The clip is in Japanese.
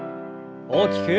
大きく。